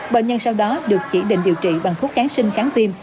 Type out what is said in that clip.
bệnh nhân sau đó được chỉ định điều trị bằng khúc kháng sinh kháng tiêm